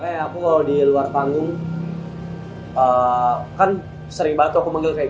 kayak aku kalau di luar panggung kan sering banget tuh aku manggil kayak